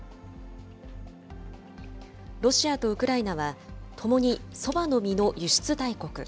ロシアとウクライナは、ともにそばの実の輸出大国。